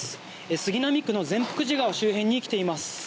杉並区の善福寺川周辺に来ています。